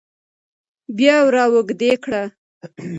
بيا وراوږدې کړه